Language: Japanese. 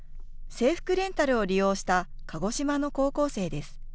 制服レンタルを利用した鹿児島の高校生です。